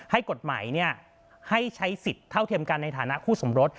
ให้กฎหมายให้ใช้สิทธิ์เท่าเทียมกันในฐานะคู่สมรส